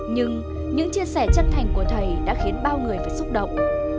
nhưng những chia sẻ chân thành của thầy đã khiến bao người phải xúc động